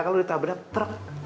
kalau ditabrak trekk